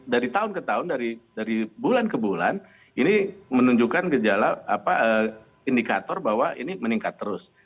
dari tahun ke tahun dari bulan ke bulan ini menunjukkan gejala indikator bahwa ini meningkat terus